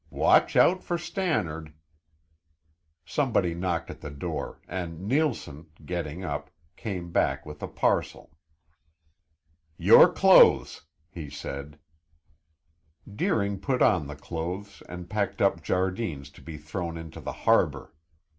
_Watch out for Stannard _" Somebody knocked at the door and Neilson, getting up, came back with a parcel. "Your clothes," he said. Deering put on the clothes and packed up Jardine's to be thrown into the harbor.